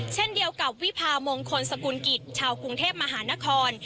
เช่นเดียวกับวิพามงคลสกุลกิจชาวกรุงเทพมหานคร